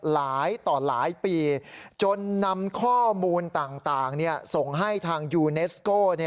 หลายต่อหลายปีจนนำข้อมูลต่างส่งให้ทางยูเนสโก้